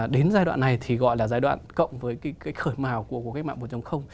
đến giai đoạn này thì gọi là giai đoạn cộng với khởi màu của mạng một trong